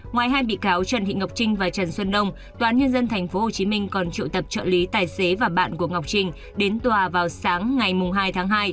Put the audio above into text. ngoài hai bị cáo trần hị ngọc trinh và trần xuân đông tòa án nhân dân tp hcm còn trụ tập trợ lý tài xế và bạn của ngọc trinh đến tòa vào sáng ngày hai tháng hai